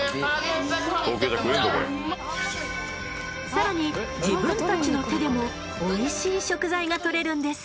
更に自分たちの手でもおいしい食材が獲れるんです。